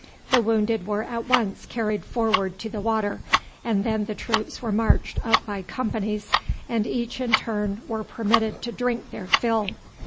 The wounded were at once carried forward to the water, and then the troops were marched up by companies, and each in turn were permitted to drink their fill.